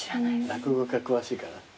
落語家詳しいから。